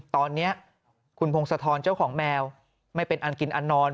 ตอนนี้คุณพงศธรเจ้าของแมวไม่เป็นอันกินอันนอน